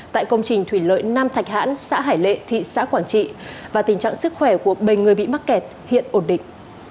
tại công trình thủy lợi nam thạch hãn xã hải lệ thị xã quảng trị và tình trạng sức khỏe của bảy người bị mắc kẹt hiện ổn định